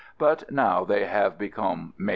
but now they have become "mediant."